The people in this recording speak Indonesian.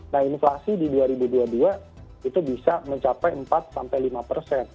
nah inflasi di dua ribu dua puluh dua itu bisa mencapai empat lima persen